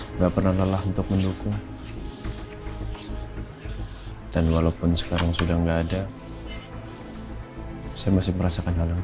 enggak pernah lelah untuk mendukung dan walaupun sekarang sudah enggak ada saya masih merasakan hal yang